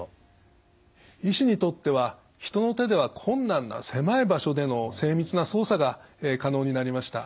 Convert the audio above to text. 医師にとっては人の手では困難な狭い場所での精密な操作が可能になりました。